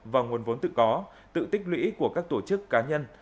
và nguồn vốn tự có tự tích lũy của các tổ chức cá nhân